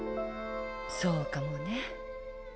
そうかもね。